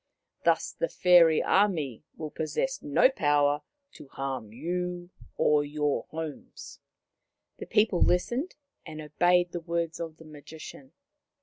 Thus the fairy army will possess no power to harm you or your homes/ ' The people listened, and obeyed the words of the Magician.